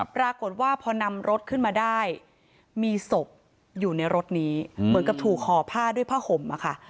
ปรากฏว่าพอนำรถขึ้นมาได้มีศพอยู่ในรถนี้เหมือนกับถูกห่อผ้าด้วยผ้าห่มอะค่ะ